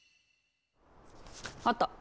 あった！